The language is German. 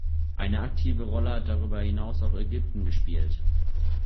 Eine aktive Rolle hat darüber hinaus auch Ägypten gespielt.